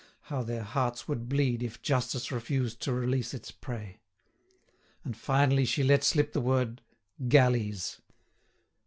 How their hearts would bleed if justice refused to release its prey! And finally she let slip the word "galleys!"